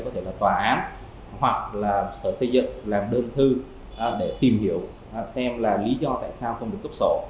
có thể là tòa án hoặc là sở xây dựng làm đơn thư để tìm hiểu xem là lý do tại sao không được cấp sổ